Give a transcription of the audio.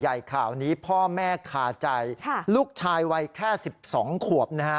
ใหญ่ข่าวนี้พ่อแม่คาจัยลูกชายวัยแค่๑๒ขวบ